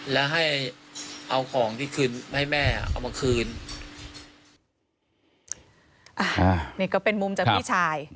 แล้วให้เอาของที่คืนให้แม่เอามาคืนนี่ก็เป็นมุมจากพี่ชาย